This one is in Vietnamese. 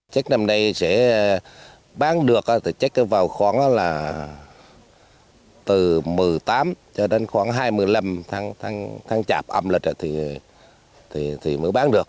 chắc năm nay sẽ bán được thì chắc cứ vào khoảng là từ một mươi tám cho đến khoảng hai mươi năm tháng chạp âm lịch thì mới bán được